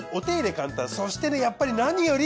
簡単そしてやっぱり何より。